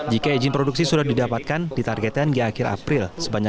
jika izin produksi sudah didapatkan ditargetkan di akhir april